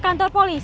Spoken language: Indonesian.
lapa kelapa kelapa